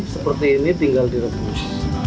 seperti ini tinggal direbus